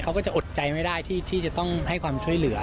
เขาก็จะอดใจไม่ได้ที่จะต้องให้ความช่วยเหลือ